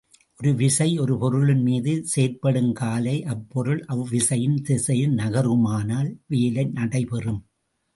ஒரு விசை ஒரு பொருளின் மீது செயற்படுங் காலை, அப்பொருள் அவ்விசையின் திசையில் நகருமானால் வேலை நடைபெறும்.